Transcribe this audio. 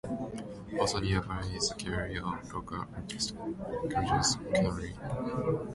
Also nearby is the gallery of local artist Georges Camille.